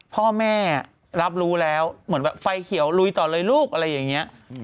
พ่อแม่รับรู้แล้วเหมือนแบบไฟเขียวลุยต่อเลยลูกอะไรอย่างนี้